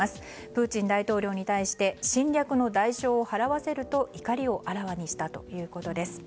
プーチン大統領に対して侵略の代償を払わせると怒りをあらわにしたということです。